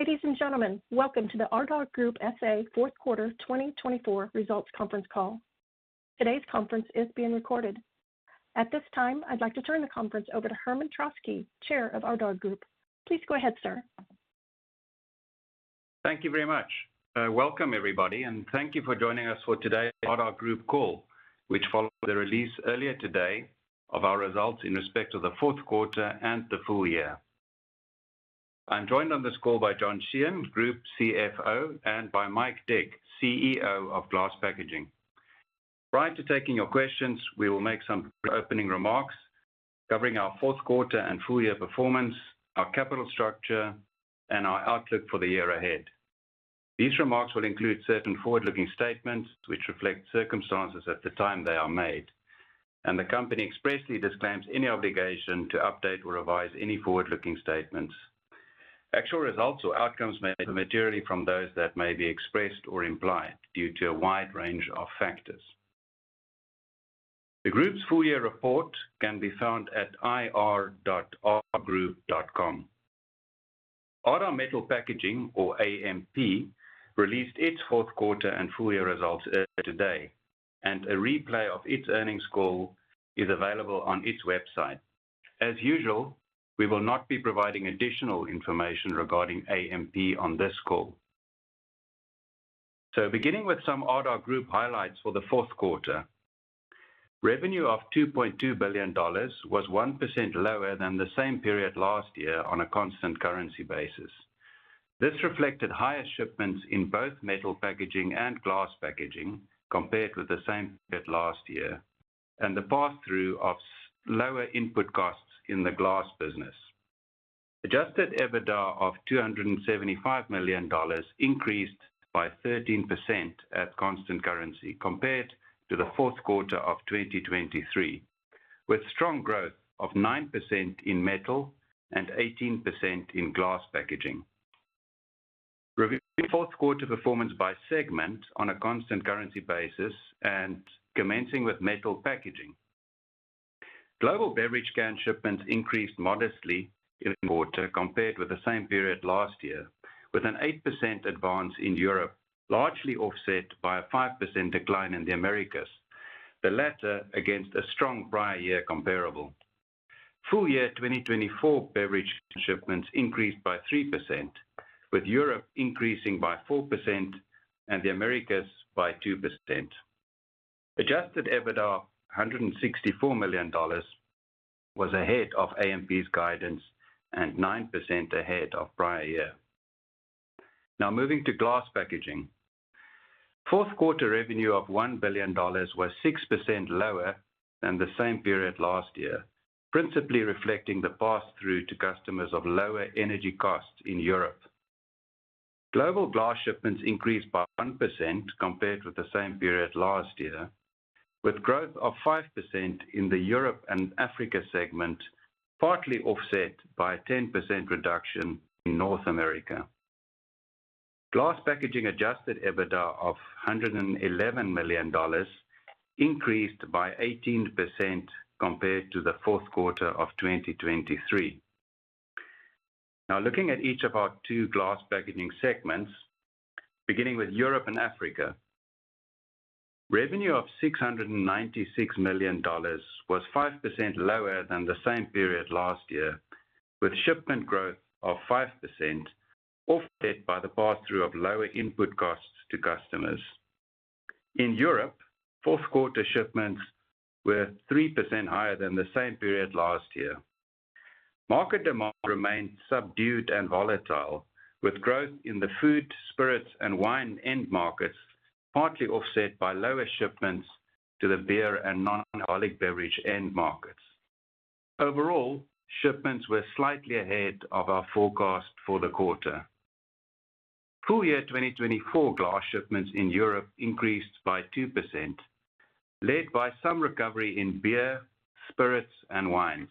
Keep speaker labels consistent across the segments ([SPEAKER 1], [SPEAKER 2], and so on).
[SPEAKER 1] Ladies and gentlemen, welcome to the Ardagh Group S.A. Fourth Quarter 2024 Results Conference Call. Today's conference is being recorded. At this time, I'd like to turn the conference over to Herman Troskie, Chair of Ardagh Group. Please go ahead, sir.
[SPEAKER 2] Thank you very much. Welcome, everybody, and thank you for joining us for today's Ardagh Group Call, which follows the release earlier today of our results in respect of the fourth quarter and the full year. I'm joined on this call by John Sheehan, Group CFO, and by Mike Dick, CEO of Glass Packaging. Prior to taking your questions, we will make some opening remarks covering our fourth quarter and full year performance, our capital structure, and our outlook for the year ahead. These remarks will include certain forward-looking statements which reflect circumstances at the time they are made, and the company expressly disclaims any obligation to update or revise any forward-looking statements. Actual results or outcomes may differ materially from those that may be expressed or implied due to a wide range of factors. The Group's full year report can be found at ir.ardaghgroup.com. Ardagh Metal Packaging, or AMP, released its fourth quarter and full year results earlier today, and a replay of its earnings call is available on its website. As usual, we will not be providing additional information regarding AMP on this call. Beginning with some Ardagh Group highlights for the fourth quarter. Revenue of $2.2 billion was 1% lower than the same period last year on a constant currency basis. This reflected higher shipments in both metal packaging and glass packaging compared with the same period last year, and the pass-through of lower input costs in the glass business. Adjusted EBITDA of $275 million increased by 13% at constant currency compared to the fourth quarter of 2023, with strong growth of 9% in metal and 18% in glass packaging. Reviewing fourth quarter performance by segment on a constant currency basis and commencing with metal packaging. Global beverage can shipments increased modestly in the quarter compared with the same period last year, with an 8% advance in Europe, largely offset by a 5% decline in the Americas, the latter against a strong prior year comparable. Full year 2024 beverage can shipments increased by 3%, with Europe increasing by 4% and the Americas by 2%. Adjusted EBITDA of $164 million was ahead of AMP's guidance and 9% ahead of prior year. Now, moving to glass packaging. Fourth quarter revenue of $1 billion was 6% lower than the same period last year, principally reflecting the pass-through to customers of lower energy costs in Europe. Global glass shipments increased by 1% compared with the same period last year, with growth of 5% in the Europe and Africa segment, partly offset by a 10% reduction in North America. Glass packaging Adjusted EBITDA of $111 million increased by 18% compared to the fourth quarter of 2023. Now, looking at each of our two glass packaging segments, beginning with Europe and Africa, revenue of $696 million was 5% lower than the same period last year, with shipment growth of 5% offset by the pass-through of lower input costs to customers. In Europe, fourth quarter shipments were 3% higher than the same period last year. Market demand remained subdued and volatile, with growth in the food, spirits, and wine end markets partly offset by lower shipments to the beer and non-alcoholic beverage end markets. Overall, shipments were slightly ahead of our forecast for the quarter. Full year 2024 glass shipments in Europe increased by 2%, led by some recovery in beer, spirits, and wines.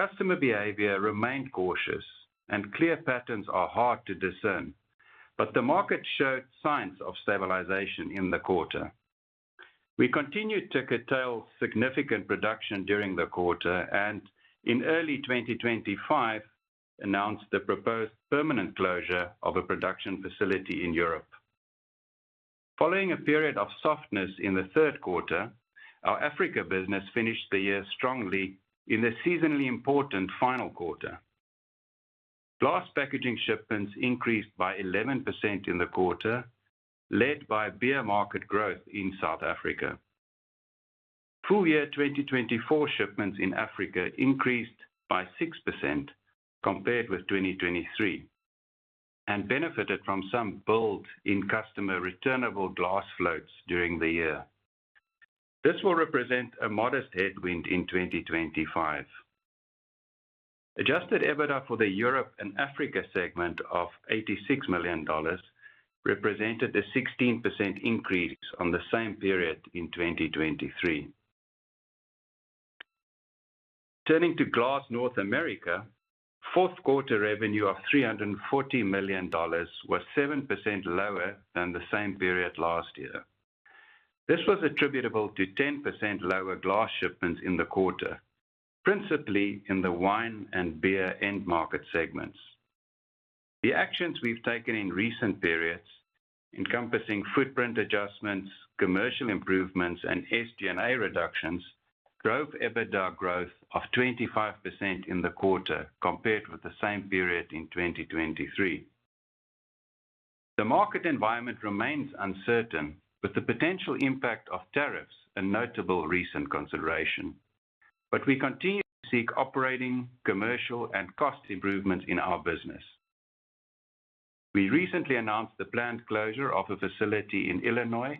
[SPEAKER 2] Customer behavior remained cautious, and clear patterns are hard to discern, but the market showed signs of stabilization in the quarter. We continued to curtail significant production during the quarter and, in early 2025, announced the proposed permanent closure of a production facility in Europe. Following a period of softness in the third quarter, our Africa business finished the year strongly in the seasonally important final quarter. Glass packaging shipments increased by 11% in the quarter, led by beer market growth in South Africa. Full year 2024 shipments in Africa increased by 6% compared with 2023 and benefited from some build in customer returnable glass floats during the year. This will represent a modest headwind in 2025. Adjusted EBITDA for the Europe and Africa segment of $86 million represented a 16% increase on the same period in 2023. Turning to glass North America, fourth quarter revenue of $340 million was 7% lower than the same period last year. This was attributable to 10% lower glass shipments in the quarter, principally in the wine and beer end market segments. The actions we've taken in recent periods, encompassing footprint adjustments, commercial improvements, and SG&A reductions, drove EBITDA growth of 25% in the quarter compared with the same period in 2023. The market environment remains uncertain, with the potential impact of tariffs a notable recent consideration, but we continue to seek operating, commercial, and cost improvements in our business. We recently announced the planned closure of a facility in Illinois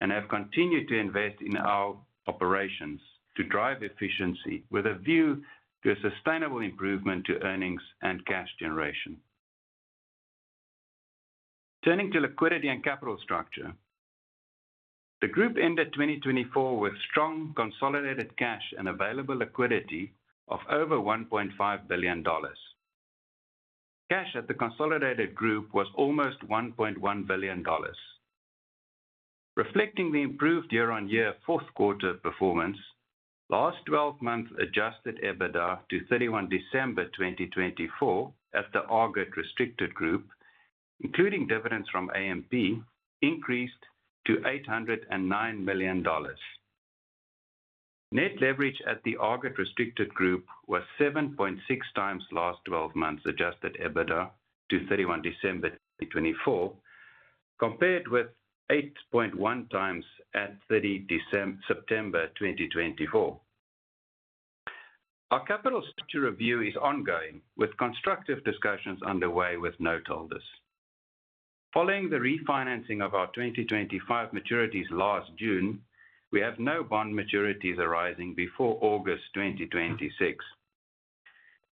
[SPEAKER 2] and have continued to invest in our operations to drive efficiency with a view to a sustainable improvement to earnings and cash generation. Turning to liquidity and capital structure, the Group ended 2024 with strong consolidated cash and available liquidity of over $1.5 billion. Cash at the consolidated Group was almost $1.1 billion. Reflecting the improved year-on-year fourth quarter performance, last 12 months Adjusted EBITDA to 31 December 2024 at the Ardagh Restricted Group, including dividends from AMP, increased to $809 million. Net leverage at the Ardagh Restricted Group was 7.6x last 12 months Adjusted EBITDA to 31 December 2024, compared with 8.1x at 30 September 2024. Our capital structure review is ongoing, with constructive discussions underway with noteholders. Following the refinancing of our 2025 maturities last June, we have no bond maturities arising before August 2026.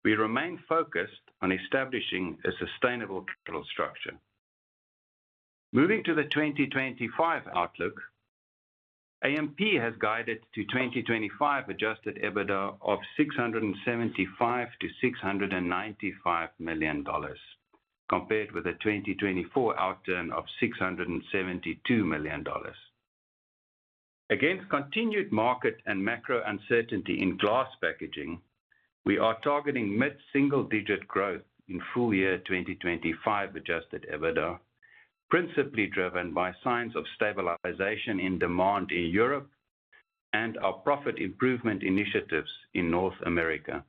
[SPEAKER 2] We remain focused on establishing a sustainable capital structure. Moving to the 2025 outlook, AMP has guided to 2025 Adjusted EBITDA of $675-$695 million compared with a 2024 outturn of $672 million. Against continued market and macro uncertainty in glass packaging, we are targeting mid-single-digit growth in full year 2025 Adjusted EBITDA, principally driven by signs of stabilization in demand in Europe and our profit improvement initiatives in North America.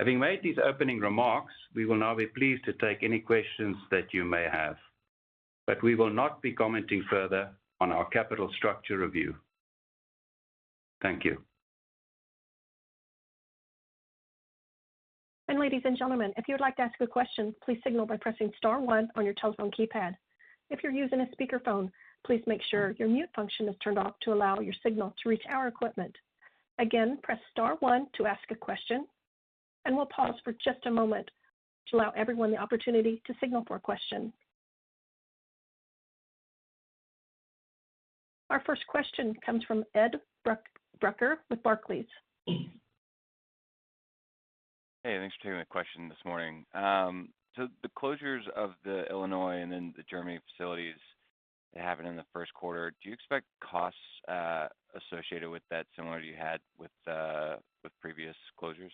[SPEAKER 2] Having made these opening remarks, we will now be pleased to take any questions that you may have, but we will not be commenting further on our capital structure review. Thank you.
[SPEAKER 1] Ladies and gentlemen, if you would like to ask a question, please signal by pressing Star one on your telephone keypad. If you're using a speakerphone, please make sure your mute function is turned off to allow your signal to reach our equipment. Again, press Star one to ask a question, and we'll pause for just a moment to allow everyone the opportunity to signal for a question. Our first question comes from Ed Brucker with Barclays.
[SPEAKER 3] Hey, thanks for taking the question this morning. The closures of the Illinois and then the Germany facilities that happened in the first quarter, do you expect costs associated with that similar to you had with previous closures?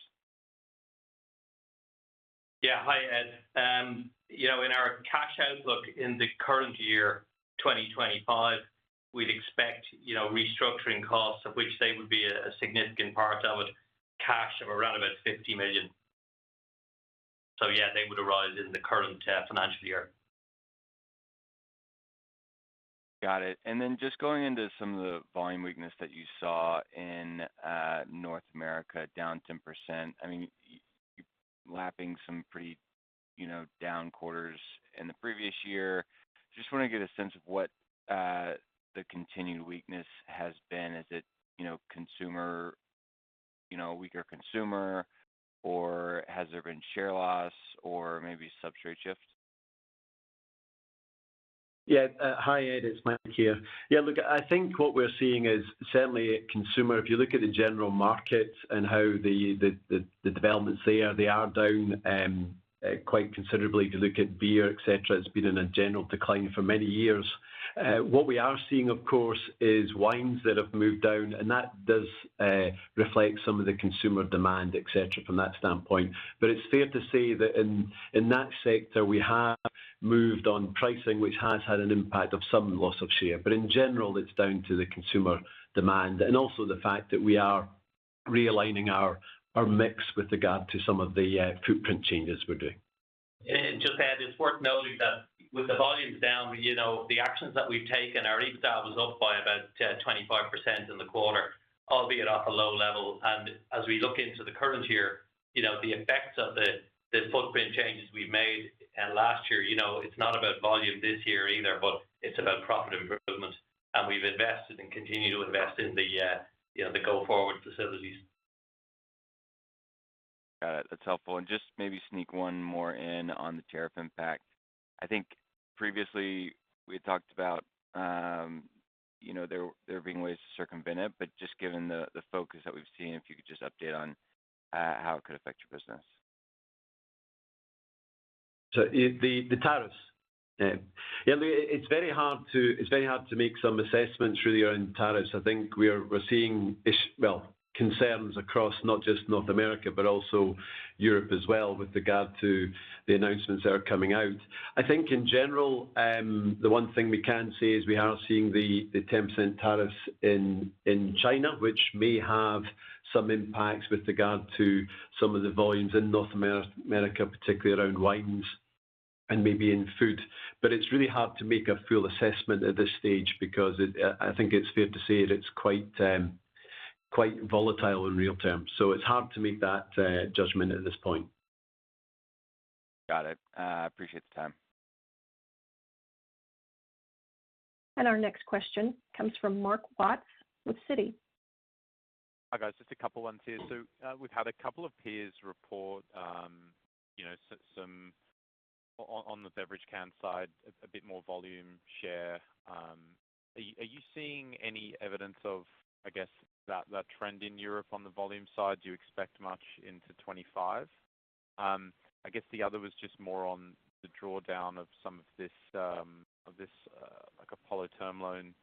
[SPEAKER 4] Yeah, hi, Ed. You know, in our cash outlook in the current year, 2025, we'd expect restructuring costs, of which they would be a significant part of it, cash of around about $50 million. Yeah, they would arise in the current financial year.
[SPEAKER 3] Got it. Just going into some of the volume weakness that you saw in North America, down 10%, I mean, lapping some pretty down quarters in the previous year, just want to get a sense of what the continued weakness has been. Is it consumer, you know, weaker consumer, or has there been share loss or maybe substrate shift?
[SPEAKER 5] Yeah, hi, Ed, it's Mike here. Yeah, look, I think what we're seeing is certainly consumer, if you look at the general market and how the developments there, they are down quite considerably. If you look at beer, etc., it's been in a general decline for many years. What we are seeing, of course, is wines that have moved down, and that does reflect some of the consumer demand, etc., from that standpoint. It is fair to say that in that sector, we have moved on pricing, which has had an impact of some loss of share. In general, it is down to the consumer demand and also the fact that we are realigning our mix with regard to some of the footprint changes we're doing.
[SPEAKER 4] Just, Ed, it's worth noting that with the volumes down, you know, the actions that we've taken, our EBITDA was up by about 25% in the quarter, albeit off a low level. As we look into the current year, you know, the effects of the footprint changes we've made last year, you know, it's not about volume this year either, but it's about profit improvement. We've invested and continue to invest in the, you know, the go-forward facilities.
[SPEAKER 3] Got it. That's helpful. Maybe just sneak one more in on the tariff impact. I think previously we had talked about, you know, there being ways to circumvent it, but just given the focus that we've seen, if you could just update on how it could affect your business.
[SPEAKER 5] The tariffs, yeah, it's very hard to, it's very hard to make some assessments really around tariffs. I think we're seeing, well, concerns across not just North America, but also Europe as well with regard to the announcements that are coming out. I think in general, the one thing we can say is we are seeing the 10% tariffs in China, which may have some impacts with regard to some of the volumes in North America, particularly around wines and maybe in food. It's really hard to make a full assessment at this stage because I think it's fair to say that it's quite volatile in real terms. It's hard to make that judgment at this point.
[SPEAKER 3] Got it. I appreciate the time.
[SPEAKER 1] Our next question comes from Mark Watts with Citi.
[SPEAKER 6] Hi, guys, just a couple of ones here. We've had a couple of peers report, you know, some on the beverage can side, a bit more volume share. Are you seeing any evidence of, I guess, that trend in Europe on the volume side? Do you expect much into 2025? I guess the other was just more on the drawdown of some of this, like a Apollo term loan.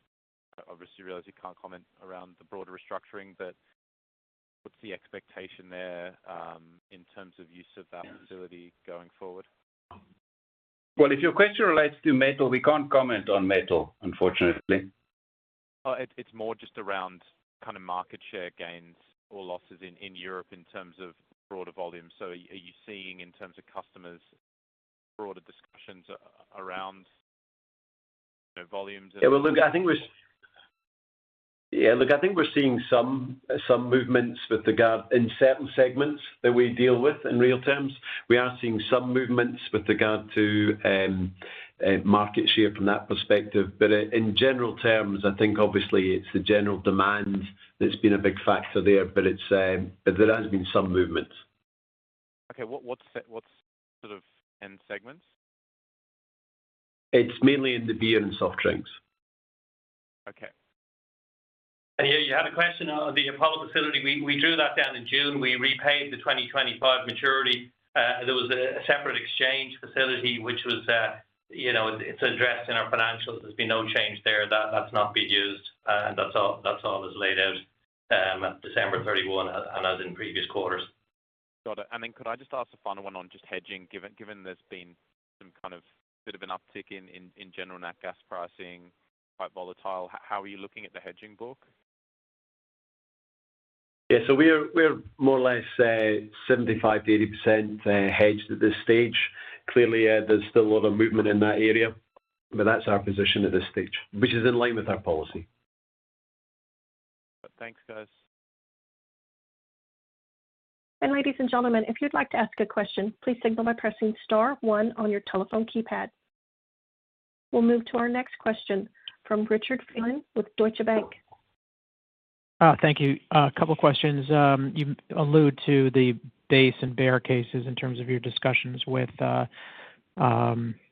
[SPEAKER 6] Obviously, realize you can't comment around the broader restructuring, but what's the expectation there in terms of use of that facility going forward?
[SPEAKER 5] If your question relates to metal, we can't comment on metal, unfortunately.
[SPEAKER 6] Oh, it's more just around kind of market share gains or losses in Europe in terms of broader volume. Are you seeing in terms of customers broader discussions around volumes?
[SPEAKER 5] Yeah, look, I think we're, yeah, look, I think we're seeing some movements with regard in certain segments that we deal with in real terms. We are seeing some movements with regard to market share from that perspective. In general terms, I think obviously it's the general demand that's been a big factor there, but there has been some movement.
[SPEAKER 6] Okay, what's sort of in segments?
[SPEAKER 5] It's mainly in the beer and soft drinks.
[SPEAKER 6] Okay.
[SPEAKER 4] You had a question on the Apollo facility. We drew that down in June. We repaid the 2025 maturity. There was a separate exchange facility, which was, you know, it's addressed in our financials. There's been no change there. That's not been used. That's all that's laid out at December 31 and as in previous quarters.
[SPEAKER 6] Got it. Could I just ask the final one on just hedging? Given there's been some kind of bit of an uptick in general in that gas pricing, quite volatile, how are you looking at the hedging book?
[SPEAKER 5] Yeah, so we're more or less 75-80% hedged at this stage. Clearly, there's still a lot of movement in that area, but that's our position at this stage, which is in line with our policy.
[SPEAKER 6] Thanks, guys.
[SPEAKER 1] Ladies and gentlemen, if you'd like to ask a question, please signal by pressing Star one on your telephone keypad. We'll move to our next question from Richard Phelan with Deutsche Bank.
[SPEAKER 7] Thank you. A couple of questions. You allude to the base and bear cases in terms of your discussions with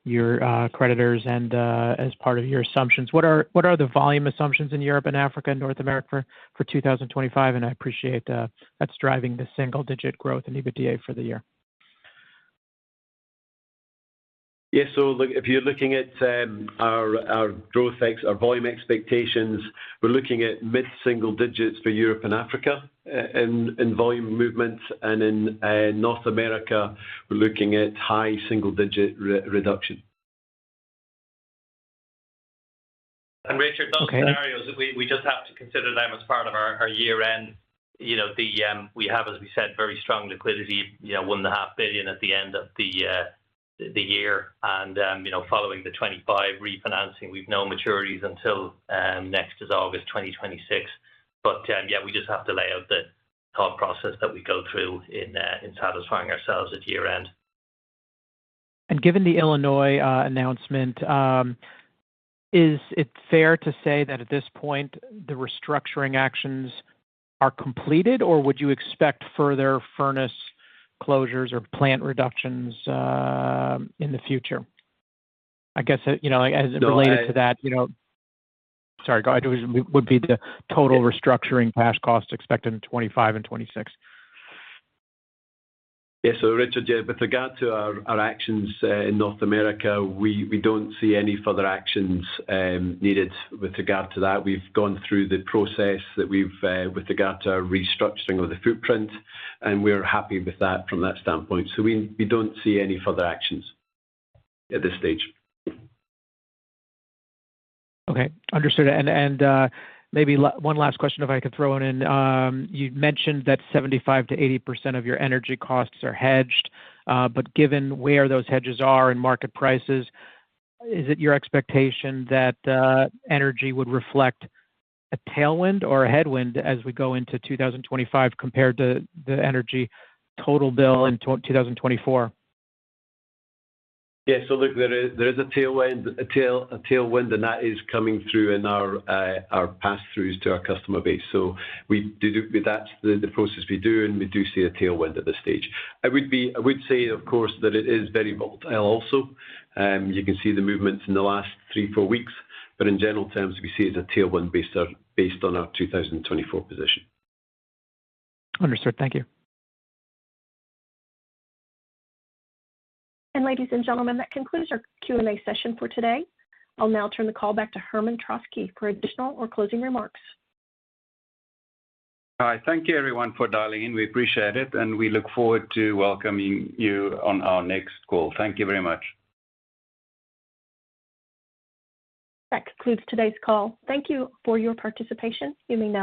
[SPEAKER 7] your creditors and as part of your assumptions. What are the volume assumptions in Europe and Africa, North America for 2025? I appreciate that's driving the single-digit growth in EBITDA for the year.
[SPEAKER 5] Yeah, look, if you're looking at our growth, our volume expectations, we're looking at mid-single digits for Europe and Africa in volume movements. In North America, we're looking at high single-digit reduction.
[SPEAKER 4] Richard, those scenarios, we just have to consider them as part of our year-end. You know, we have, as we said, very strong liquidity, you know, $1.5 billion at the end of the year. You know, following the 2025 refinancing, we've no maturities until next is August 2026. Yeah, we just have to lay out the thought process that we go through in satisfying ourselves at year-end.
[SPEAKER 7] Given the Illinois announcement, is it fair to say that at this point the restructuring actions are completed, or would you expect further furnace closures or plant reductions in the future? I guess, you know, as it relates to that, you know, sorry, would the total restructuring cash cost be expected in 2025 and 2026?
[SPEAKER 5] Yeah, Richard, with regard to our actions in North America, we don't see any further actions needed with regard to that. We've gone through the process that we've with regard to our restructuring of the footprint, and we're happy with that from that standpoint. We don't see any further actions at this stage.
[SPEAKER 7] Okay, understood. Maybe one last question, if I could throw one in. You mentioned that 75%-80% of your energy costs are hedged, but given where those hedges are and market prices, is it your expectation that energy would reflect a tailwind or a headwind as we go into 2025 compared to the energy total bill in 2024?
[SPEAKER 5] Yeah, look, there is a tailwind, a tailwind, and that is coming through in our pass-throughs to our customer base. That is the process we do, and we do see a tailwind at this stage. I would say, of course, that it is very volatile also. You can see the movements in the last three, four weeks. In general terms, we see it as a tailwind based on our 2024 position.
[SPEAKER 7] Understood. Thank you.
[SPEAKER 1] Ladies and gentlemen, that concludes our Q&A session for today. I'll now turn the call back to Herman Troskie for additional or closing remarks.
[SPEAKER 2] All right, thank you everyone for dialing in. We appreciate it, and we look forward to welcoming you on our next call. Thank you very much.
[SPEAKER 1] That concludes today's call. Thank you for your participation. You may now.